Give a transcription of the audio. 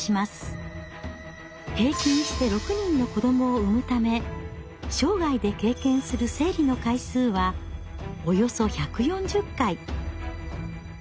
平均して６人の子どもを産むため生涯で経験する生理の回数はおよそ１４０回。